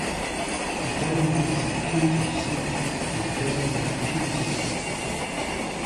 Delhi is the county seat of Delaware County.